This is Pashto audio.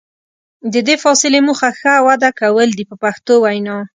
د دې فاصلې موخه ښه وده کول دي په پښتو وینا.